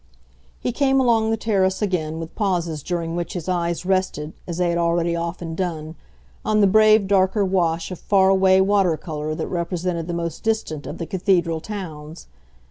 He came along the terrace again, with pauses during which his eyes rested, as they had already often done, on the brave darker wash of far away watercolour that represented the most distant of the cathedral towns.